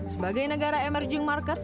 sebagai negara emerging market